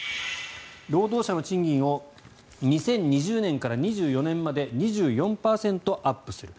労働者の賃金を２０２０年から２４年まで２４％アップする。